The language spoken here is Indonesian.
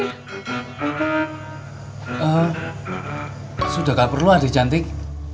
eh sudah gak perlu adik cantik